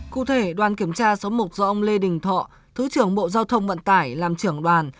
cụ thể đoàn kiểm tra số một do ông lê đình thọ thứ trưởng bộ giao thông vận tải làm trưởng đoàn